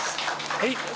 はい。